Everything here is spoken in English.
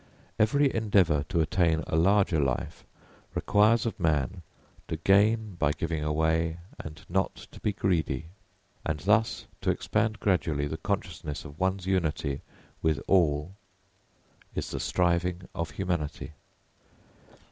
Every endeavour to attain a larger life requires of man "to gain by giving away, and not to be greedy." And thus to expand gradually the consciousness of one's unity with all is the striving of humanity.